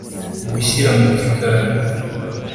gushyira mu gikari